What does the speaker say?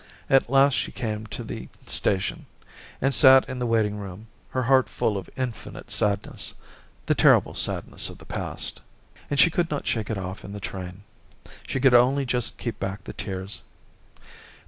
At last she came to the station, and sat in the waiting room, her heart full of infinite sadness — the terrible sadness of the past. ... And she could not shake it off in the train ; she could only just keep back the tears.